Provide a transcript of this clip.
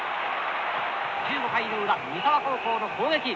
１５回の裏三沢高校の攻撃。